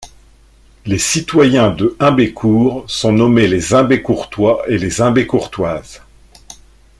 Les citoyens de Humbécourt sont nommés les Humbécourtois et les Humbécourtoises.